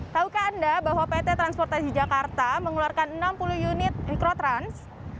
taukah anda bahwa pt transportasi jakarta mengeluarkan enam puluh unit mikrotrans